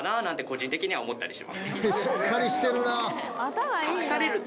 個人的には思ったりします。